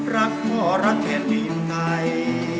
รักพ่อรักแผ่นดินไทย